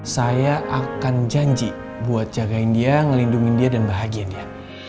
saya akan janji buat jagain dia ngelindungi dia dan bahagia dia